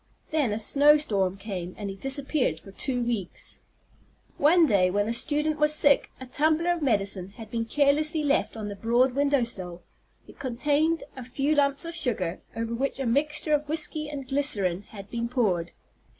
Then a snow storm came, and he disappeared for two weeks. One day, when a student was sick, a tumbler of medicine had been carelessly left on the broad window sill. It contained a few lumps of sugar, over which a mixture of whiskey and glycerine had been poured.